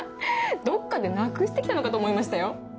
どっかでなくして来たのかと思いましたよ。